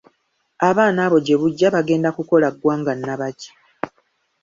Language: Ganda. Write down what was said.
Abaana abo gye bujja bagenda kukola ggwanga nnabaki?